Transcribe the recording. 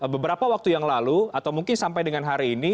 beberapa waktu yang lalu atau mungkin sampai dengan hari ini